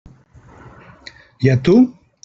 I a tu?